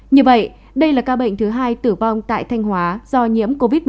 như vậy đây là ca bệnh thứ hai tử vong tại thanh hóa do nhiễm covid một mươi chín